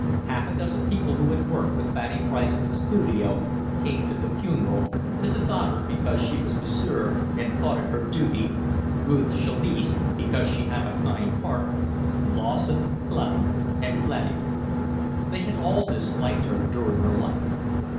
Half a dozen people who had worked with Fanny Price at the studio came to the funeral, Mrs. Otter because she was massiere and thought it her duty, Ruth Chalice because she had a kind heart, Lawson, Clutton, and Flanagan. They had all disliked her during her life.